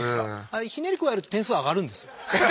あれひねり加えると点数上がるんですよ。